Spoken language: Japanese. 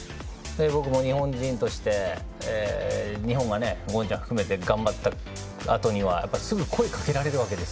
僕も日本人として日本が権ちゃん含めて頑張ったあとにはすぐ声をかけられるわけです。